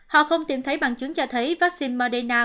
họ không tìm thấy bằng chứng cho thấy vaccine madena